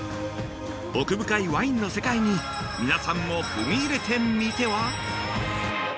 奥深いワインの世界に皆さんも踏み入れてみては？